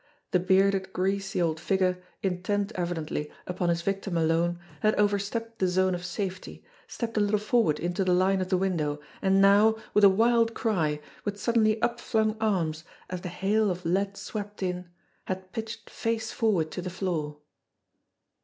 The bearded, greasy old figure, intent evidently upon his victim alone, had overstepped the zone of safety, stepped a little forward into the line of the window ; and now, with a wild cry, with suddenly upflung arms, as the hail of lead swept in, had pitched face forward to the floor.